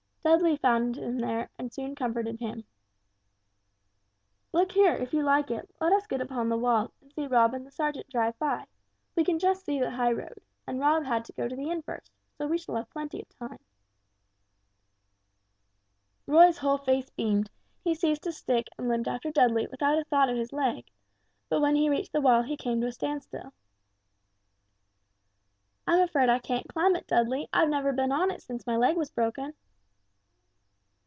Dudley found him there, and soon comforted him. "Look here, if you like it, let us get upon the wall and see Rob and the sergeant drive by; we can just see the high road, and Rob had to go to the inn first, so we shall have plenty of time." Roy's whole face beamed, he seized his stick and limped after Dudley without a thought of his leg, but when he reached the wall he came to a standstill. "I'm afraid I can't climb it, Dudley, I've never been on it since my leg was broken!"